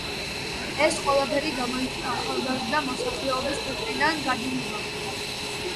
ეს ყველაფერი გამოიწვია ახალგაზრდა მოსახლეობის ქვეყნიდან გადინებამ.